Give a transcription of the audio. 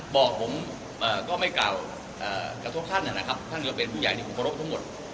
บอกผมก็ไม่กล่าวกระทบท่านนะครับท่านก็เป็นผู้ใหญ่ที่ผมเคารพทั้งหมด